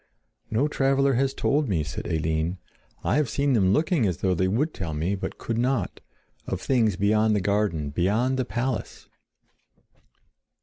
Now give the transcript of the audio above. "No traveler has told me," said Eline. "I have seen them looking as though they would tell me, but could not, of things beyond the garden, beyond the palace.